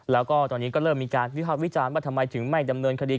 แล้วก็ตอนนี้ก็เริ่มมีการวิภาควิจารณ์ว่าทำไมถึงไม่ดำเนินคดี